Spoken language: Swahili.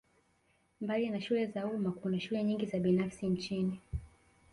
Mbali na shule za umma kuna shule nyingi za binafsi nchini